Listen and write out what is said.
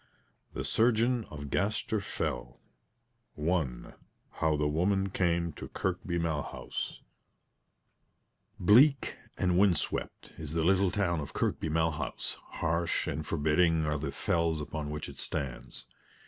THE SURGEON OF GASTER FELL I HOW THE WOMAN CAME TO KIRKBY MALHOUSE Bleak and wind swept is the little town of Kirkby Malhouse, harsh and forbidding are the fells upon which it stands.